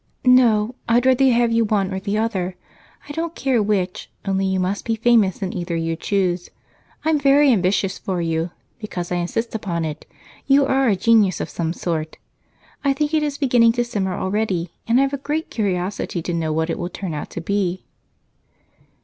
"No. I'd rather have you one or the other. I don't care which, only you must be famous in either you choose. I'm very ambitious for you, because, I insist upon it, you are a genius of some sort. I think it is beginning to simmer already, and I've got a great curiosity to know what it will turn out to be."